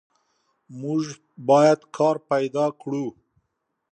موږ باید کار پیدا کړو.